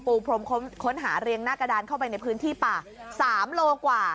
พรมค้นหาเรียงหน้ากระดานเข้าไปในพื้นที่ป่า๓โลกว่า